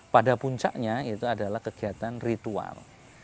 pada puncaknya itu adalah kegiatan ritual